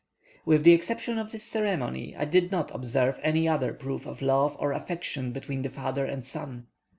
With the exception of this ceremony, I did not observe any other proof of love or affection between the father and son.